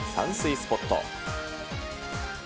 スポット。